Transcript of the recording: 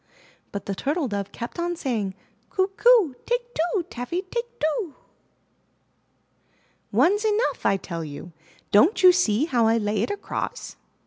But the Turtle Dove kept on saying: '*Coo! Coo! Take two, Taffy, take two o o o!" ''One's enough, I tell you! Don't you see how I lay it across?"